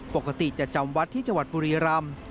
ปกติจะจำวัดที่จวดบุรีรันด์